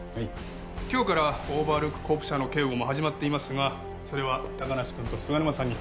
今日からオーバールックコープ社の警護も始まっていますがそれは高梨くんと菅沼さんに。